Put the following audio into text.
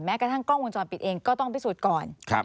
กระทั่งกล้องวงจรปิดเองก็ต้องพิสูจน์ก่อน